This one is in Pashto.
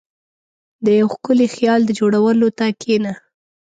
• د یو ښکلي خیال د جوړولو ته کښېنه.